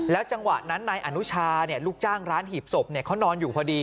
จังหวะนั้นนายอนุชาลูกจ้างร้านหีบศพเขานอนอยู่พอดี